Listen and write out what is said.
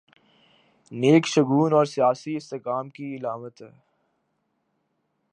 نیک شگون اور سیاسی استحکام کی علامت ہے۔